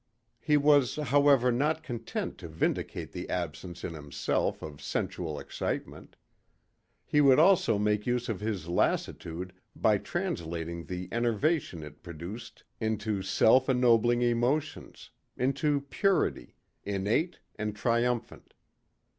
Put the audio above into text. He was however not content to vindicate the absence in himself of sensual excitement. He would also make use of his lassitude by translating the enervation it produced into self ennobling emotions, into purity, innate and triumphant.